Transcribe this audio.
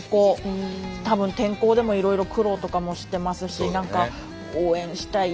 たぶん天候でもいろいろ苦労とかもしてますし何か応援したい